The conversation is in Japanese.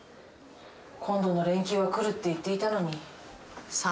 今度の連休は来るって言っていたのに。